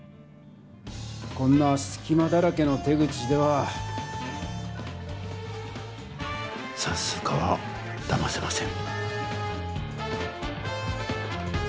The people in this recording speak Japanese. こんなすきまだらけの手口ではさんすう課はだませません！